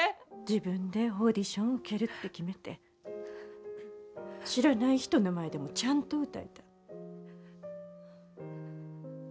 自分でオーディションを受けるって決めて知らない人の前でもちゃんと歌えた。